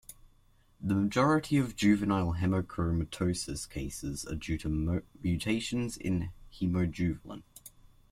The majority of juvenile hemochromatosis cases are due to mutations in hemojuvelin.